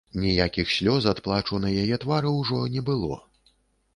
Ніякіх слёз ад плачу на яе твары ўжо не было.